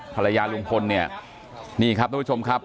ภรรยาลุงพลเนี่ยนี่ครับทุกผู้ชมครับ